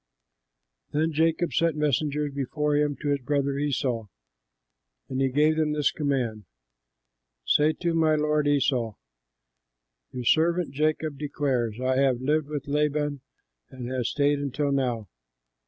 Then Jacob sent messengers before him to his brother Esau. And he gave them this command, "Say to my lord Esau: 'Your servant Jacob declares, I have lived with Laban and have stayed until now.